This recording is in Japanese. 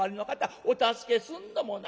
お助けすんのもな